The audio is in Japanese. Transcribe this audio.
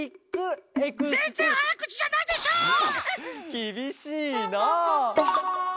きびしいな！